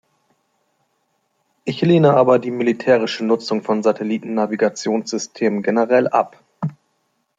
Ich lehne aber die militärische Nutzung von Satellitennavigationssystemen generell ab.